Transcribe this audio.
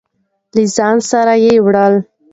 له ځان سره وړلې.